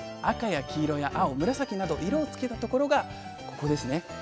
赤や黄色や青紫など色をつけたところがここですね